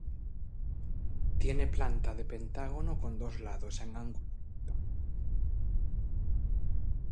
Tiene planta de pentágono con dos lados en ángulo recto.